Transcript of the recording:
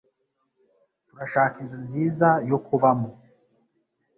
Turashaka inzu nziza yo kubamo.